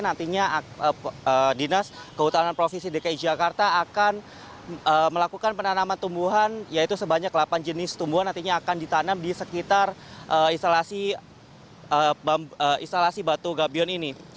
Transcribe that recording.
nantinya dinas kehutanan provinsi dki jakarta akan melakukan penanaman tumbuhan yaitu sebanyak delapan jenis tumbuhan nantinya akan ditanam di sekitar instalasi batu gabion ini